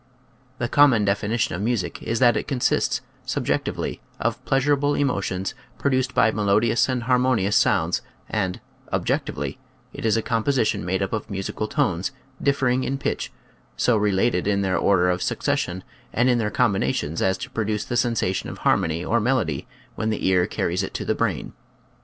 The common definition of music is that it consists, subjectively, of pleasurable emotions produced by melodious and harmonious sounds and, objectively, it is a composition made up of musical tones, differing in pitch, so related in their order of succession and in their com binations as to produce the sensation of har mony or melody when the ear carries it to the brain.